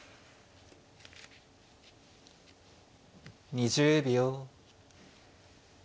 ２０秒。